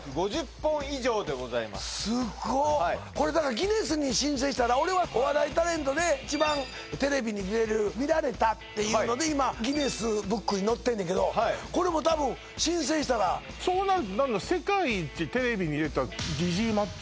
すごっこれギネスに申請したら俺はお笑いタレントで一番テレビに出る見られたっていうので今ギネスブックに載ってんねやけどこれもたぶん申請したらそうなると何なの？